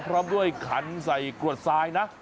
พร้อมด้วยขันใส่กรวดทรายนะ